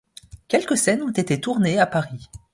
Quelques scènes ont été tournées à Paris.